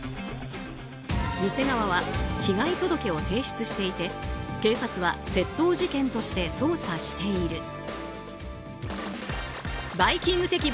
店側は被害届を提出していて警察は、窃盗事件として捜査している。